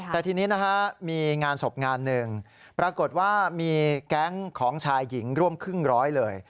แต่ทีนี้นะฮะมีงานศพงานหนึ่งปรากฏว่ามีแก๊งของชายหญิงร่วมครึ่งร้อยเลย